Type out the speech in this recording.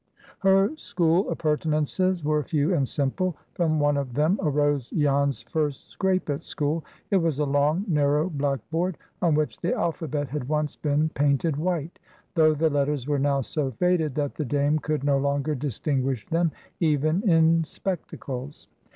Her school appurtenances were few and simple. From one of them arose Jan's first scrape at school. It was a long, narrow blackboard, on which the alphabet had once been painted white, though the letters were now so faded that the Dame could no longer distinguish them, even in spectacles.